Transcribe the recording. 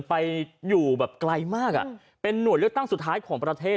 ไปอยู่แบบไกลมากเป็นหน่วยเลือกตั้งสุดท้ายของประเทศ